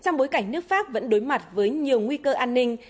trong bối cảnh nước pháp vẫn đối mặt với nhiều nguy cơ an ninh